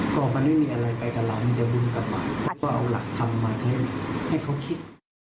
ก็เอาหลักทำมาให้เขาคิด